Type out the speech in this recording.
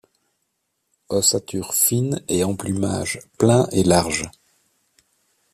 Ossature fine et emplumage plein et large.